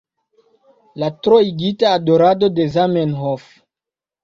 La troigita adorado de Zamenhof?